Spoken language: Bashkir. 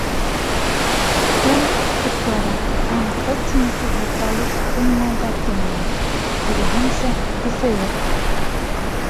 Төн үтеп бара, аңҡы-тиңке буталыш тынмай ҙа тынмай, киреһенсә, көсәйә.